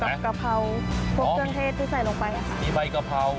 ตัวกับกะเพราพวกเครื่องเทศที่ใส่ลงไปอ่ะครับ